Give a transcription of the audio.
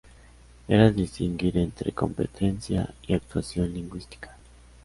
Era distinguir entre competencia y actuación lingüística.